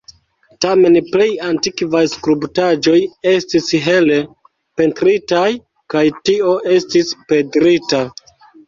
Tamen, plej antikvaj skulptaĵoj estis hele pentritaj, kaj tio estis perdita.